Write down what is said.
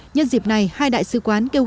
nhân dịp này hai đại sứ quán kêu góp